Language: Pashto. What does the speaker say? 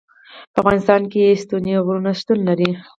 په افغانستان کې ستوني غرونه شتون لري.